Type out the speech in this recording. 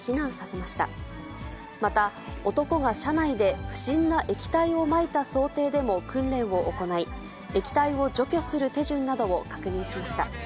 また、男が車内で不審な液体をまいた想定でも訓練を行い、液体を除去する手順などを確認しました。